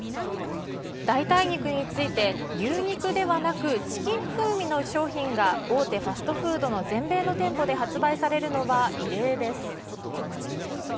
代替肉について、牛肉ではなく、チキン風味の商品が大手ファストフードの全米の店舗で発売されるのは異例です。